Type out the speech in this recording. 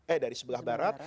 eh dari sebelah barat